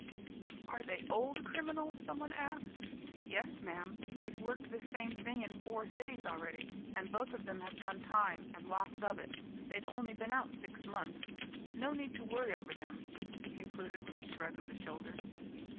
"Are they old criminals?" someone asked. "Yes, ma'am. They've worked this same thing in four cities already, and both of them have done time, and lots of it. They've only been out six months. No need to worry over them," he concluded with a shrug of the shoulders.